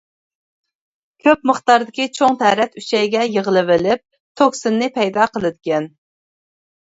كۆپ مىقداردىكى چوڭ تەرەت ئۈچەيگە يىغىلىۋېلىپ، توكسىننى پەيدا قىلىدىكەن.